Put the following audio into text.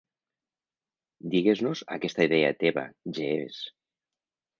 Digues-nos aquesta idea teva Jeeves.